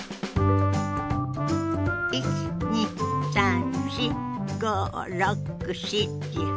１２３４５６７８。